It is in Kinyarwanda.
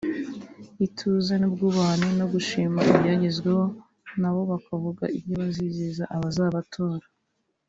ituze n’ubwubahane no gushima ibyagezweho nabo bakavuga ibyo bizeza abazabatora